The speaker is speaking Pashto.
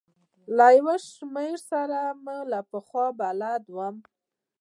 له یو شمېرو سره مې له پخوا بلد وم.